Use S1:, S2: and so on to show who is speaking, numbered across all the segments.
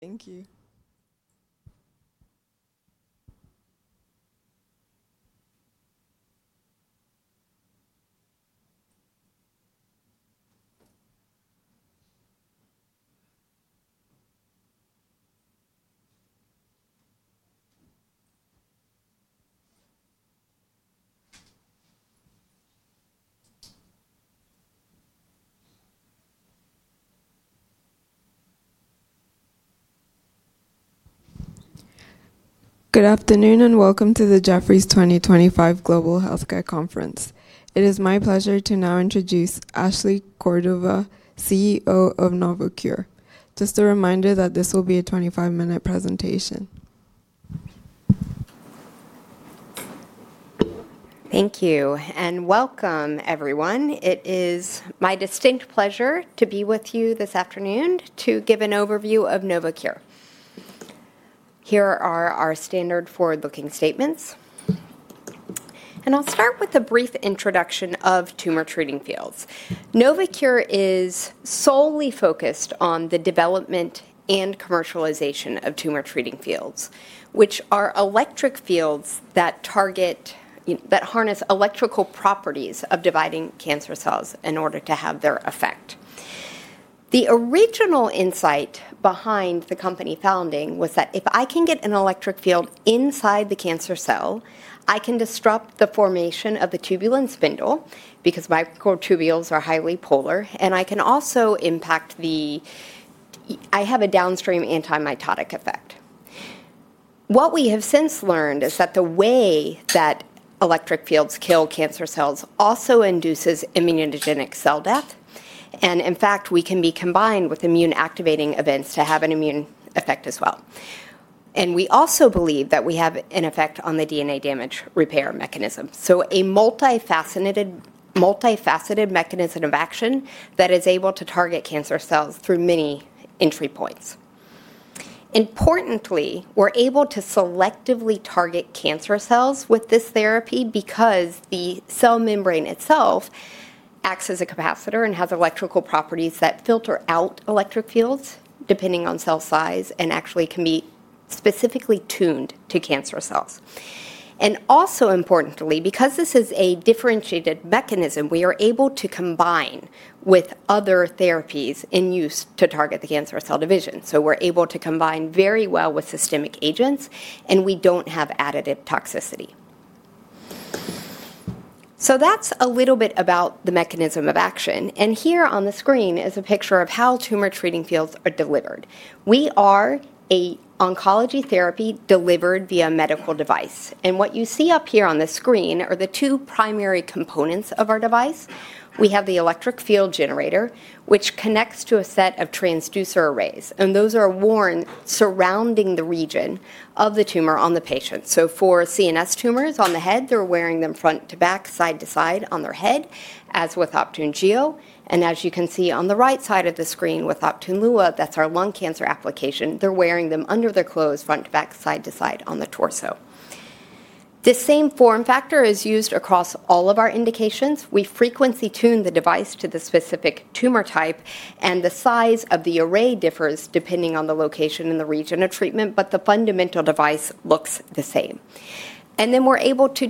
S1: Thank you.
S2: Good afternoon and welcome to the Jefferies 2025 Global Healthcare Conference. It is my pleasure to now introduce Ashley Cordova, CEO of Novocure. Just a reminder that this will be a 25-minute presentation.
S3: Thank you and welcome, everyone. It is my distinct pleasure to be with you this afternoon to give an overview of Novocure. Here are our standard forward-looking statements. I'll start with a brief introduction of Tumor Treating Fields. Novocure is solely focused on the development and commercialization of Tumor Treating Fields, which are electric fields that harness electrical properties of dividing cancer cells in order to have their effect. The original insight behind the company founding was that if I can get an electric field inside the cancer cell, I can disrupt the formation of the tubulin spindle because microtubules are highly polar, and I can also impact the, I have a downstream antimitotic effect. What we have since learned is that the way that electric fields kill cancer cells also induces immunogenic cell death. In fact, we can be combined with immune activating events to have an immune effect as well. We also believe that we have an effect on the DNA damage repair mechanism. A multifaceted mechanism of action is able to target cancer cells through many entry points. Importantly, we're able to selectively target cancer cells with this therapy because the cell membrane itself acts as a capacitor and has electrical properties that filter out electric fields depending on cell size and actually can be specifically tuned to cancer cells. Also importantly, because this is a differentiated mechanism, we are able to combine with other therapies in use to target the cancer cell division. We're able to combine very well with systemic agents, and we don't have additive toxicity. That's a little bit about the mechanism of action. Here on the screen is a picture of how Tumor Treating Fields are delivered. We are an oncology therapy delivered via medical device. What you see up here on the screen are the two primary components of our device. We have the electric field generator, which connects to a set of transducer arrays, and those are worn surrounding the region of the tumor on the patient. For CNS tumors on the head, they are wearing them front to back, side to side on their head, as with Optune Gio. As you can see on the right side of the screen with Optune Lua, that is our lung cancer application, they are wearing them under their clothes, front to back, side to side on the torso. This same form factor is used across all of our indications. We frequency-tune the device to the specific tumor type, and the size of the array differs depending on the location and the region of treatment, but the fundamental device looks the same. We are able to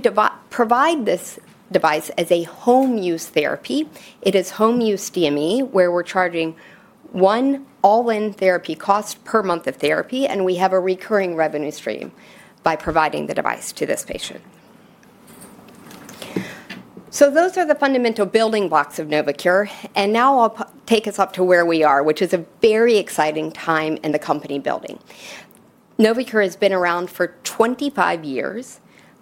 S3: provide this device as a home use therapy. It is home use DME, where we're charging one all-in therapy cost per month of therapy, and we have a recurring revenue stream by providing the device to this patient. Those are the fundamental building blocks of Novocure. I will take us up to where we are, which is a very exciting time in the company building. Novocure has been around for 25 years,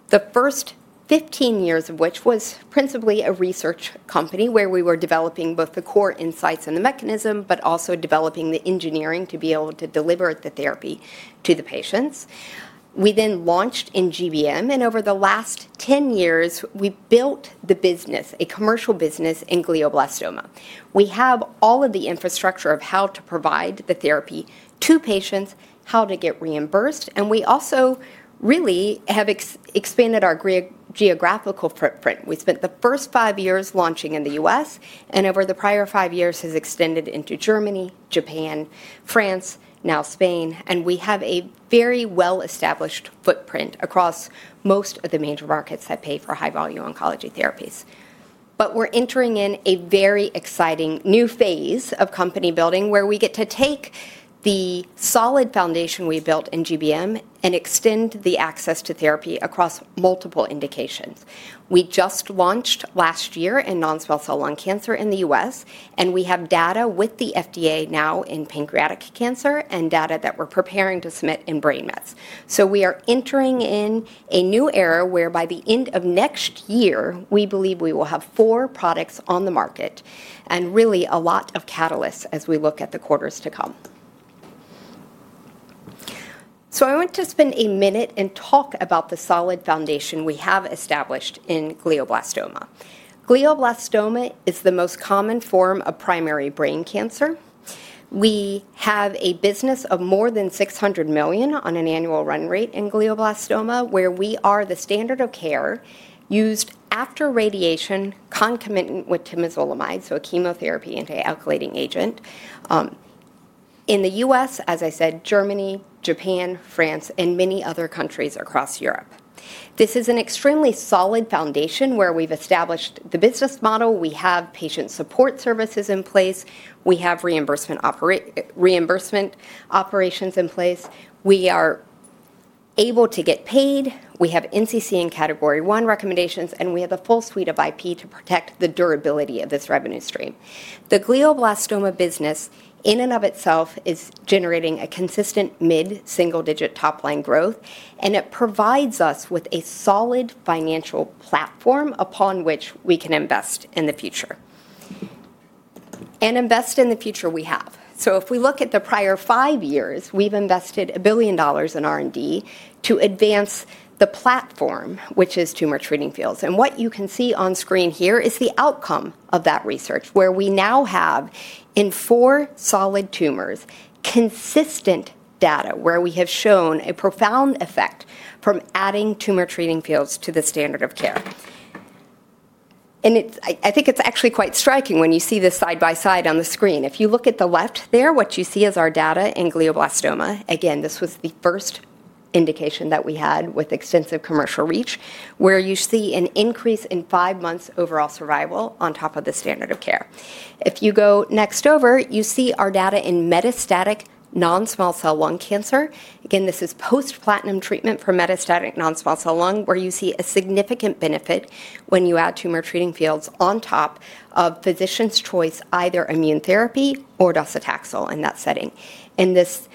S3: the first 15 years of which was principally a research company where we were developing both the core insights and the mechanism, but also developing the engineering to be able to deliver the therapy to the patients. We then launched in GBM, and over the last 10 years, we built the business, a commercial business in glioblastoma. We have all of the infrastructure of how to provide the therapy to patients, how to get reimbursed, and we also really have expanded our geographical footprint. We spent the first five years launching in the U.S., and over the prior five years has extended into Germany, Japan, France, now Spain, and we have a very well-established footprint across most of the major markets that pay for high-volume oncology therapies. We are entering in a very exciting new phase of company building where we get to take the solid foundation we built in GBM and extend the access to therapy across multiple indications. We just launched last year in non-small cell lung cancer in the U.S.., and we have data with the FDA now in pancreatic cancer and data that we're preparing to submit in brain mets. We are entering in a new era whereby the end of next year, we believe we will have four products on the market and really a lot of catalysts as we look at the quarters to come. I want to spend a minute and talk about the solid foundation we have established in glioblastoma. Glioblastoma is the most common form of primary brain cancer. We have a business of more than $600 million on an annual run rate in glioblastoma, where we are the standard of care used after radiation concomitant with temozolomide, so a chemotherapy anti-alkaline agent. In the U.S., as I said, Germany, Japan, France, and many other countries across Europe. This is an extremely solid foundation where we've established the business model. We have patient support services in place. We have reimbursement operations in place. We are able to get paid. We have NCCN category one recommendations, and we have a full suite of IP to protect the durability of this revenue stream. The glioblastoma business in and of itself is generating a consistent mid-single-digit top-line growth, and it provides us with a solid financial platform upon which we can invest in the future. Invest in the future we have. If we look at the prior five years, we've invested $1 billion in R&D to advance the platform, which is Tumor Treating Fields. What you can see on screen here is the outcome of that research, where we now have in four solid tumors consistent data where we have shown a profound effect from adding Tumor Treating Fields to the standard of care. I think it's actually quite striking when you see this side by side on the screen. If you look at the left there, what you see is our data in glioblastoma. Again, this was the first indication that we had with extensive commercial reach, where you see an increase in five months overall survival on top of the standard of care. If you go next over, you see our data in metastatic non-small cell lung cancer. Again, this is post-platinum treatment for metastatic non-small cell lung, where you see a significant benefit when you add Tumor Treating Fields on top of physician's choice, either immunotherapy or docetaxel in that setting. This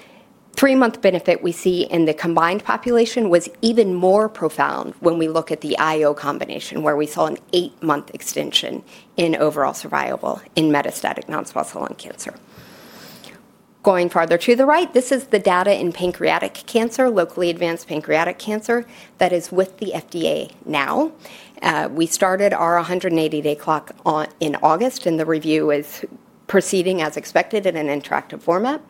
S3: three-month benefit we see in the combined population was even more profound when we look at the IO combination, where we saw an eight-month extension in overall survival in metastatic non-small cell lung cancer. Going farther to the right, this is the data in pancreatic cancer, locally advanced pancreatic cancer that is with the FDA now. We started our 180-day clock in August, and the review is proceeding as expected in an interactive format.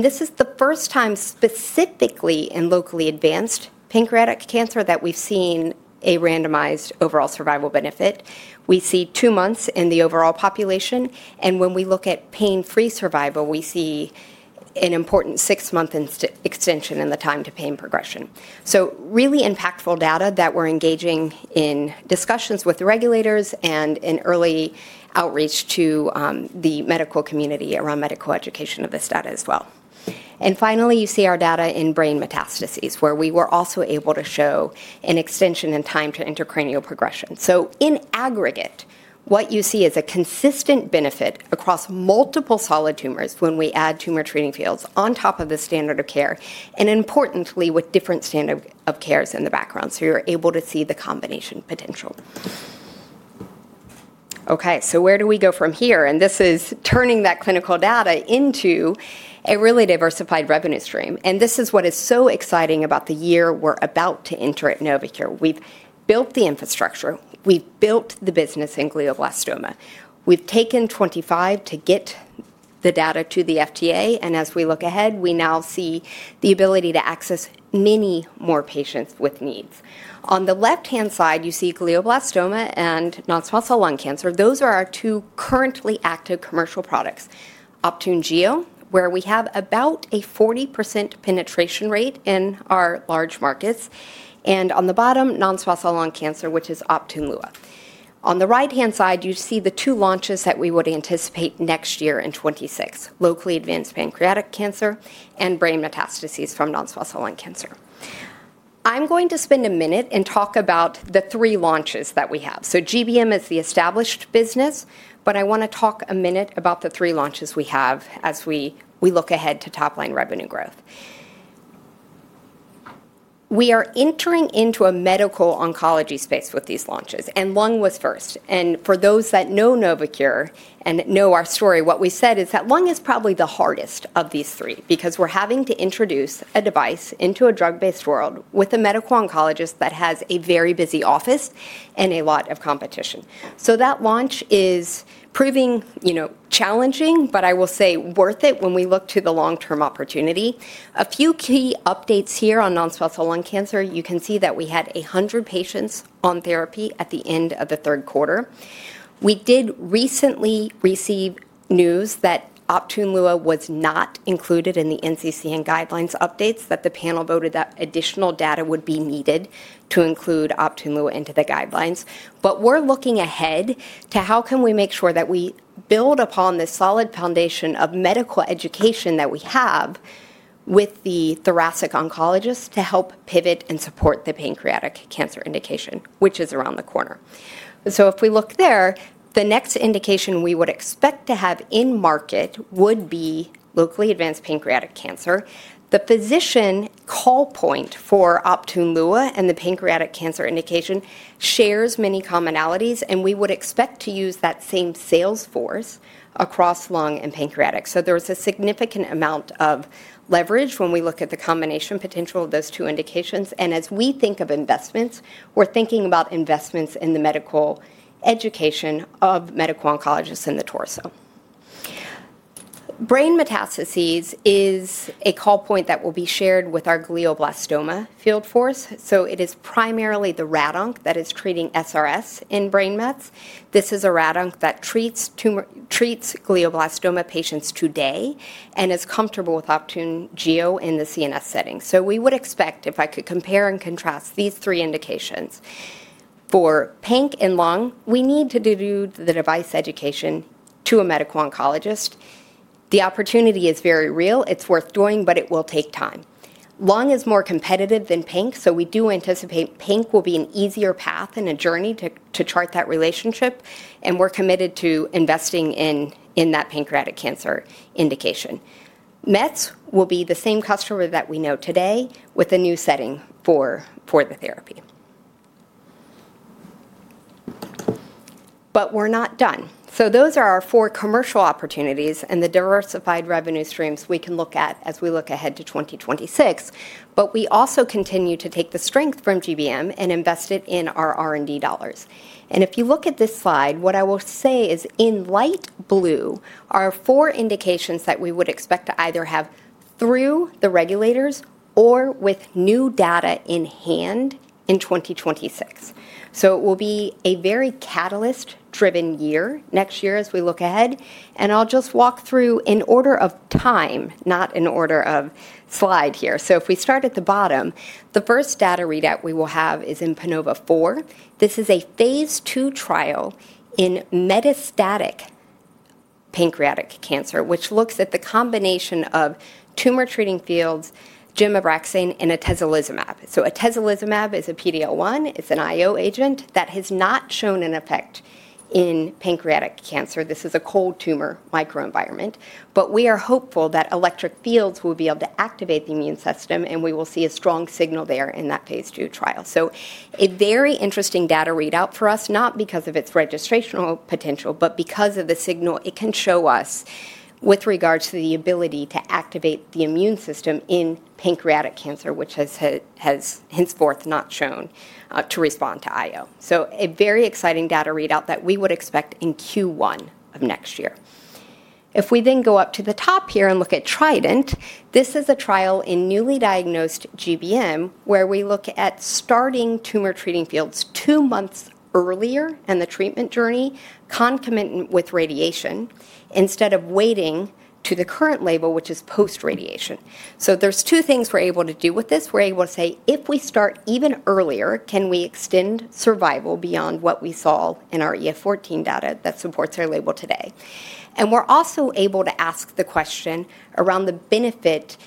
S3: This is the first time specifically in locally advanced pancreatic cancer that we've seen a randomized overall survival benefit. We see two months in the overall population. When we look at pain-free survival, we see an important six-month extension in the time to pain progression. Really impactful data that we're engaging in discussions with regulators and in early outreach to the medical community around medical education of this data as well. Finally, you see our data in brain metastases, where we were also able to show an extension in time to intracranial progression. In aggregate, what you see is a consistent benefit across multiple solid tumors when we add Tumor Treating Fields on top of the standard of care and importantly with different standard of cares in the background. You're able to see the combination potential. Okay, where do we go from here? This is turning that clinical data into a really diversified revenue stream. This is what is so exciting about the year we are about to enter at Novocure. We have built the infrastructure. We have built the business in glioblastoma. We have taken 25 to get the data to the FDA. As we look ahead, we now see the ability to access many more patients with needs. On the left-hand side, you see glioblastoma and non-small cell lung cancer. Those are our two currently active commercial products, Optune Gio, where we have about a 40% penetration rate in our large markets, and on the bottom, non-small cell lung cancer, which is Optune Lua. On the right-hand side, you see the two launches that we would anticipate next year in 2026, locally advanced pancreatic cancer and brain metastases from non-small cell lung cancer. I am going to spend a minute and talk about the three launches that we have. GBM is the established business, but I want to talk a minute about the three launches we have as we look ahead to top-line revenue growth. We are entering into a medical oncology space with these launches, and lung was first. For those that know Novocure and know our story, what we said is that lung is probably the hardest of these three because we're having to introduce a device into a drug-based world with a medical oncologist that has a very busy office and a lot of competition. That launch is proving challenging, but I will say worth it when we look to the long-term opportunity. A few key updates here on non-small cell lung cancer. You can see that we had 100 patients on therapy at the end of the third quarter. We did recently receive news that Optune Lua was not included in the NCCN guidelines updates, that the panel voted that additional data would be needed to include Optune Lua into the guidelines. We are looking ahead to how can we make sure that we build upon the solid foundation of medical education that we have with the thoracic oncologist to help pivot and support the pancreatic cancer indication, which is around the corner. If we look there, the next indication we would expect to have in market would be locally advanced pancreatic cancer. The physician call point for Optune Lua and the pancreatic cancer indication shares many commonalities, and we would expect to use that same sales force across lung and pancreatic. There is a significant amount of leverage when we look at the combination potential of those two indications. As we think of investments, we're thinking about investments in the medical education of medical oncologists in the torso. Brain metastases is a call point that will be shared with our glioblastoma field force. It is primarily the radiation oncologist that is treating stereotactic radiosurgery in brain metastases. This is a radiation oncologist that treats glioblastoma patients today and is comfortable with Optune Gio in the CNS setting. We would expect, if I could compare and contrast these three indications for pancreas and lung, we need to do the device education to a medical oncologist. The opportunity is very real. It's worth doing, but it will take time. Lung is more competitive than pancreas, so we do anticipate pancreas will be an easier path and a journey to chart that relationship. We're committed to investing in that pancreatic cancer indication. Mets will be the same customer that we know today with a new setting for the therapy. Those are our four commercial opportunities and the diversified revenue streams we can look at as we look ahead to 2026. We also continue to take the strength from GBM and invest it in our R&D dollars. If you look at this slide, what I will say is in light blue are four indications that we would expect to either have through the regulators or with new data in hand in 2026. It will be a very catalyst-driven year next year as we look ahead. I'll just walk through in order of time, not in order of slide here. If we start at the bottom, the first data readout we will have is in Panova IV. This is a phase II trial in metastatic pancreatic cancer, which looks at the combination of Tumor Treating Fields, gemcitabine, and atezolizumab. Atezolizumab is a PD-L1. It's an IO agent that has not shown an effect in pancreatic cancer. This is a cold tumor microenvironment. We are hopeful that electric fields will be able to activate the immune system, and we will see a strong signal there in that phase II trial. A very interesting data readout for us, not because of its registrational potential, but because of the signal it can show us with regards to the ability to activate the immune system in pancreatic cancer, which has henceforth not shown to respond to IO. A very exciting data readout that we would expect in Q1 of next year. If we then go up to the top here and look at Trident, this is a trial in newly diagnosed GBM where we look at starting Tumor Treating Fields two months earlier and the treatment journey concomitant with radiation instead of waiting to the current label, which is post-radiation. There are two things we're able to do with this. We're able to say, if we start even earlier, can we extend survival beyond what we saw in our EF14 data that supports our label today? We're also able to ask the question around the benefit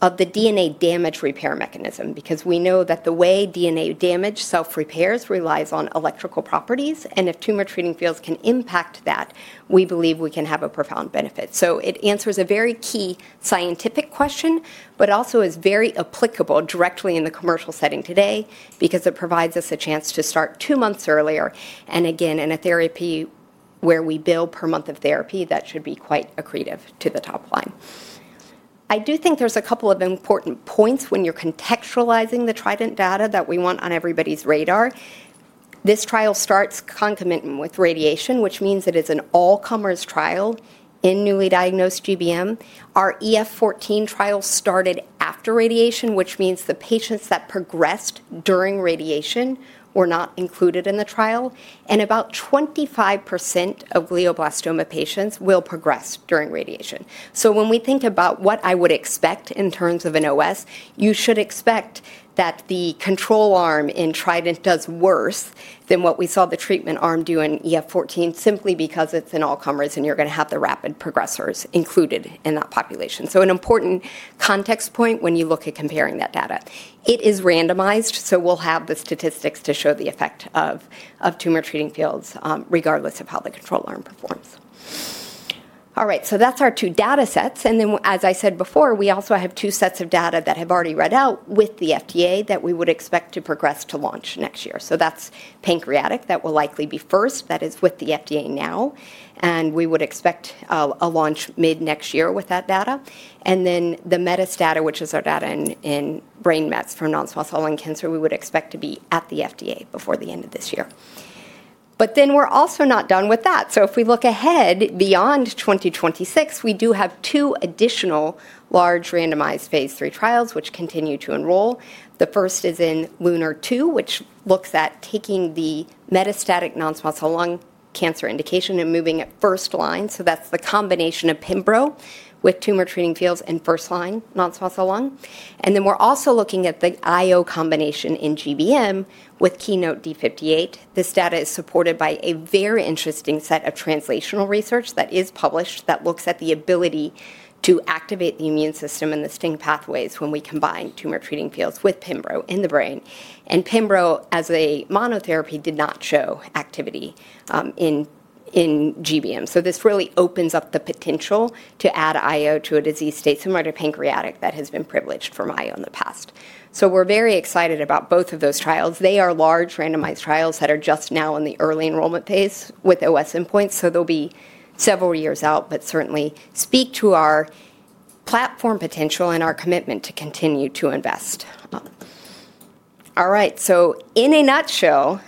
S3: of the DNA damage repair mechanism because we know that the way DNA damage self-repairs relies on electrical properties. If Tumor Treating Fields can impact that, we believe we can have a profound benefit. It answers a very key scientific question, but also is very applicable directly in the commercial setting today because it provides us a chance to start two months earlier. In a therapy where we bill per month of therapy, that should be quite accretive to the top line. I do think there's a couple of important points when you're contextualizing the Trident data that we want on everybody's radar. This trial starts concomitant with radiation, which means it is an all-comers trial in newly diagnosed GBM. Our EF-14 trial started after radiation, which means the patients that progressed during radiation were not included in the trial. About 25% of glioblastoma patients will progress during radiation. When we think about what I would expect in terms of an OS, you should expect that the control arm in Trident does worse than what we saw the treatment arm do in EF-14 simply because it's an all-comers and you're going to have the rapid progressors included in that population. An important context point when you look at comparing that data. It is randomized, so we'll have the statistics to show the effect of Tumor Treating Fields regardless of how the control arm performs. All right, that's our two data sets. As I said before, we also have two sets of data that have already read out with the FDA that we would expect to progress to launch next year. That's pancreatic that will likely be first. That is with the FDA now. We would expect a launch mid-next year with that data. The METIS, which is our data in brain metastases for non-small cell lung cancer, we would expect to be at the FDA before the end of this year. We are also not done with that. If we look ahead beyond 2026, we do have two additional large randomized phase III trials which continue to enroll. The first is in LUNAR II, which looks at taking the metastatic non-small cell lung cancer indication and moving it first line. That is the combination of pembro with Tumor Treating Fields and first line non-small cell lung. We are also looking at the IO combination in glioblastoma with KEYNOTE D58. This data is supported by a very interesting set of translational research that is published that looks at the ability to activate the immune system and the STING pathways when we combine Tumor Treating Fields with pembro in the brain. Pembro as a monotherapy did not show activity in glioblastoma. This really opens up the potential to add IO to a disease state similar to pancreatic that has been privileged from IO in the past. We are very excited about both of those trials. They are large randomized trials that are just now in the early enrollment phase with overall survival endpoints. They will be several years out, but certainly speak to our platform potential and our commitment to continue to invest. All right, in a nutshell,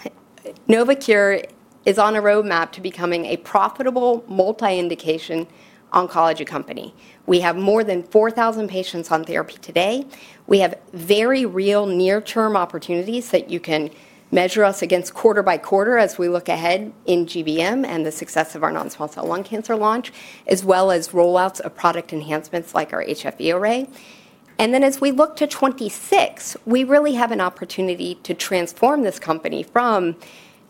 S3: Novocure is on a roadmap to becoming a profitable multi-indication oncology company. We have more than 4,000 patients on therapy today. We have very real near-term opportunities that you can measure us against quarter by quarter as we look ahead in GBM and the success of our non-small cell lung cancer launch, as well as rollouts of product enhancements like our HFE array. As we look to 2026, we really have an opportunity to transform this company from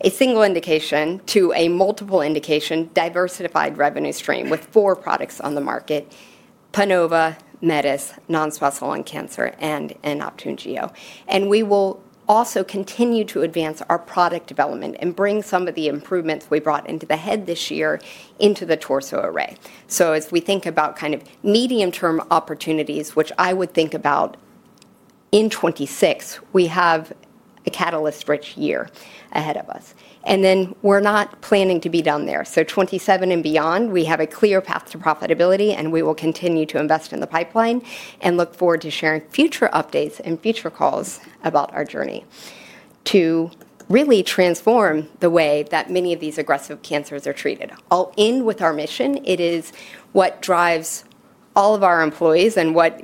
S3: a single indication to a multiple indication diversified revenue stream with four products on the market: PANOVA, METIS, non-small cell lung cancer, and Optune Gio. We will also continue to advance our product development and bring some of the improvements we brought into the head this year into the torso array. As we think about kind of medium-term opportunities, which I would think about in 2026, we have a catalyst-rich year ahead of us. We are not planning to be done there. Twenty-seven and beyond, we have a clear path to profitability, and we will continue to invest in the pipeline and look forward to sharing future updates and future calls about our journey to really transform the way that many of these aggressive cancers are treated. All in with our mission, it is what drives all of our employees and what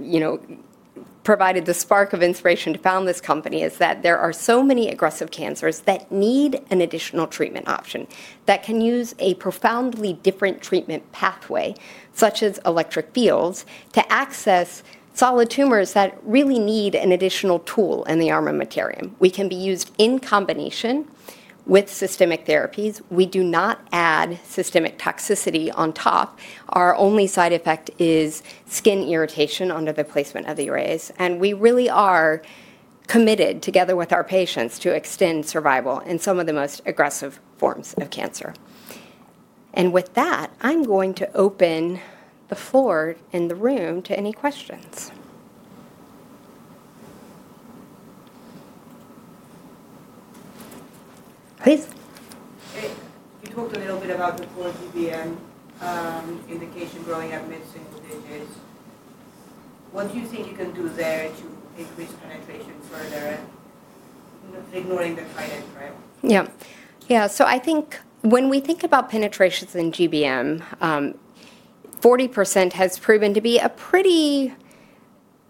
S3: provided the spark of inspiration to found this company is that there are so many aggressive cancers that need an additional treatment option that can use a profoundly different treatment pathway, such as electric fields, to access solid tumors that really need an additional tool in the armamentarium. We can be used in combination with systemic therapies. We do not add systemic toxicity on top. Our only side effect is skin irritation under the placement of the arrays. We really are committed, together with our patients, to extend survival in some of the most aggressive forms of cancer. With that, I'm going to open the floor in the room to any questions.
S4: Please. You talked a little bit about the whole GBM indication growing at mid single digits. What do you think you can do there to increase penetration further, ignoring the Trident trial?
S3: Yeah. Yeah. I think when we think about penetrations in GBM, 40% has proven to be a pretty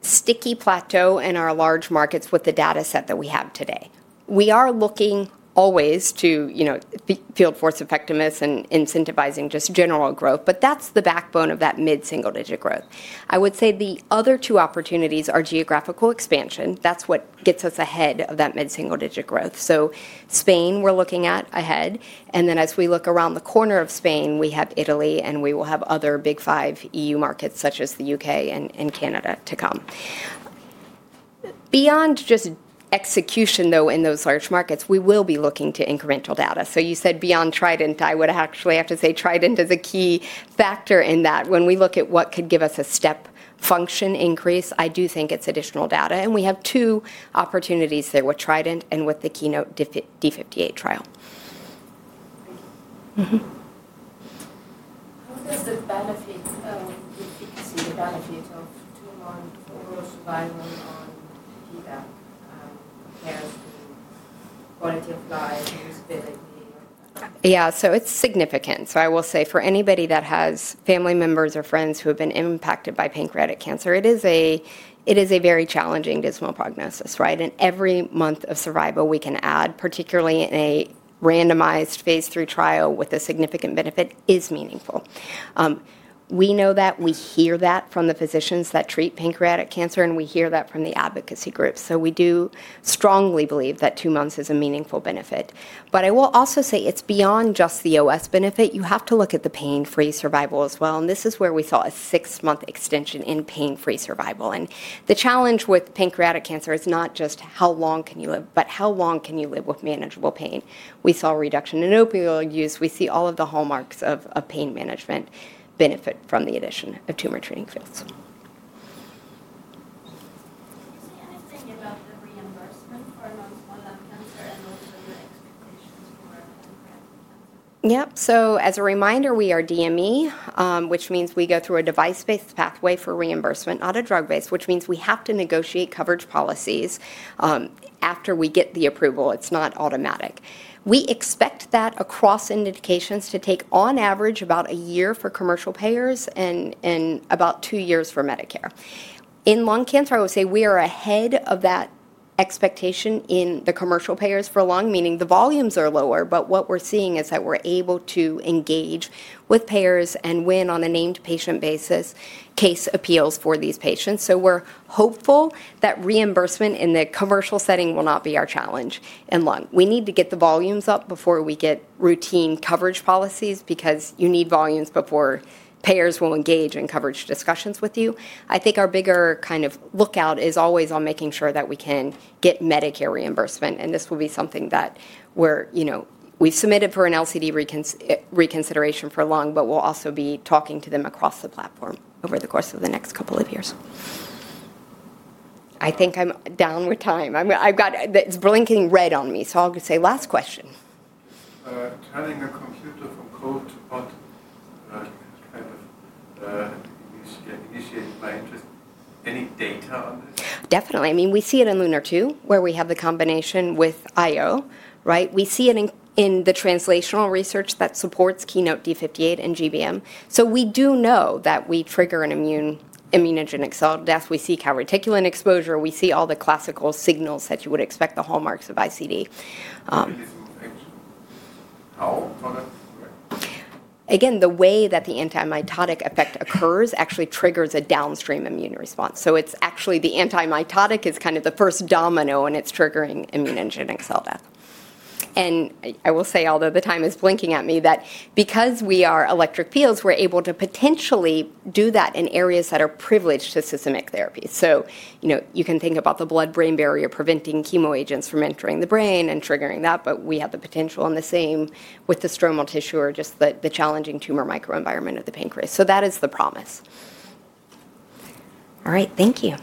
S3: sticky plateau in our large markets with the data set that we have today. We are looking always to field force effectiveness and incentivizing just general growth, but that's the backbone of that mid-single digit growth. I would say the other two opportunities are geographical expansion. That's what gets us ahead of that mid-single digit growth. Spain, we're looking at ahead. As we look around the corner of Spain, we have Italy, and we will have other big five EU markets such as the U.K. and Canada to come. Beyond just execution in those large markets, we will be looking to incremental data. You said beyond Trident, I would actually have to say Trident is a key factor in that. When we look at what could give us a step function increase, I do think it is additional data. We have two opportunities there with Trident and with the keynote D58 trial.
S4: How does the benefit of efficacy, the benefit of two-month overall survival on TPM compare to quality of life, usability?
S3: Yeah. It is significant. I will say for anybody that has family members or friends who have been impacted by pancreatic cancer, it is a very challenging, dismal prognosis, right? Every month of survival we can add, particularly in a randomized phase III trial with a significant benefit, is meaningful. We know that. We hear that from the physicians that treat pancreatic cancer, and we hear that from the advocacy group. We do strongly believe that two months is a meaningful benefit. I will also say it's beyond just the OS benefit. You have to look at the pain-free survival as well. This is where we saw a six-month extension in pain-free survival. The challenge with pancreatic cancer is not just how long can you live, but how long can you live with manageable pain. We saw reduction in opioid use. We see all of the hallmarks of pain management benefit from the addition of Tumor Treating Fields.
S4: Can you say anything about the reimbursement for non-small cell lung cancer and what are your expectations for pancreatic cancer?
S3: Yep. As a reminder, we are DME, which means we go through a device-based pathway for reimbursement, not a drug-based, which means we have to negotiate coverage policies after we get the approval. It's not automatic. We expect that across indications to take on average about a year for commercial payers and about two years for Medicare. In lung cancer, I will say we are ahead of that expectation in the commercial payers for lung, meaning the volumes are lower. What we're seeing is that we're able to engage with payers and win on a named patient basis case appeals for these patients. We are hopeful that reimbursement in the commercial setting will not be our challenge in lung. We need to get the volumes up before we get routine coverage policies because you need volumes before payers will engage in coverage discussions with you. I think our bigger kind of lookout is always on making sure that we can get Medicare reimbursement. This will be something that we've submitted for an LCD reconsideration for lung, but we'll also be talking to them across the platform over the course of the next couple of years. I think I'm down with time. It's blinking red on me, so I'll say last question.
S1: Turning a computer from code to bot kind of initiates my interest. Any data on this?
S3: Definitely. I mean, we see it in Lunar II where we have the combination with IO, right? We see it in the translational research that supports keynote D58 and GBM. We do know that we trigger an immunogenic cell death. We see calreticulin exposure. We see all the classical signals that you would expect, the hallmarks of ICD. Again, the way that the antimitotic effect occurs actually triggers a downstream immune response. It is actually the antimitotic that is kind of the first domino and it is triggering immunogenic cell death. I will say, although the time is blinking at me, that because we are electric fields, we are able to potentially do that in areas that are privileged to systemic therapy. You can think about the blood-brain barrier preventing chemo agents from entering the brain and triggering that, but we have the potential in the same with the stromal tissue or just the challenging tumor microenvironment of the pancreas. That is the promise.
S2: All right. Thank you.